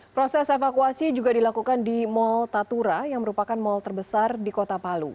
proses evakuasi juga dilakukan di mall tatura yang merupakan mal terbesar di kota palu